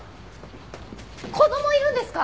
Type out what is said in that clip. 子供いるんですか？